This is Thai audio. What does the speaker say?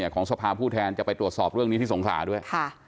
ของสภาผู้แทนจะไปตรวจสอบเรื่องนี้ที่สงขลาด้วย